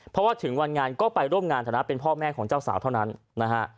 เพราะว่าถึงวันงานก็ไปร่วมงานฐานะเป็นพ่อแม่ของเจ้าสาวเท่านั้นนะฮะ